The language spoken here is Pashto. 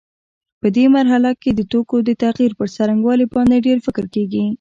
په دې مرحله کې د توکو د تغییر پر څرنګوالي باندې ډېر فکر کېږي.